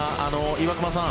岩隈さん